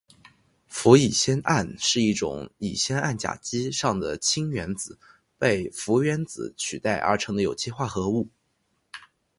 氟乙酰胺是一种乙酰胺甲基上的氢原子被氟原子取代而成的有机化合物。